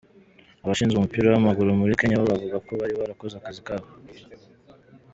Abashinzwe umupira w’amaguru muri Kenya bo bavuga ko bari barakoze akazi kabo.